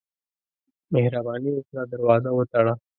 مهرباني وکړه، دروازه وتړه.